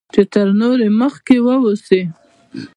چې تر نورو مخکې واوسی